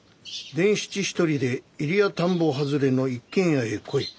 伝七一人で入谷田んぼ外れの一軒家へ来い。